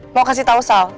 mau kasih tau sal